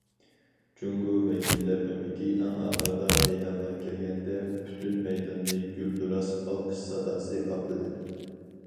جۇڭگو ۋەكىللەر ئۆمىكى ئەڭ ئاخىرىدا مەيدانغا كىرگەندە، پۈتۈن مەيداننى گۈلدۈراس ئالقىش ساداسى قاپلىدى.